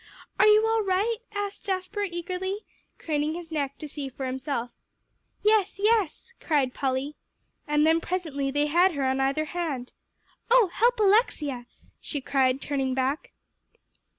"Are you all right?" asked Jasper eagerly, craning his neck to see for himself. "Yes yes!" cried Polly. And then presently they had her on either hand! "Oh, help Alexia," she cried, turning back.